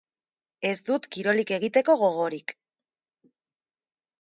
Ez dut kirolik egiteko gogorik.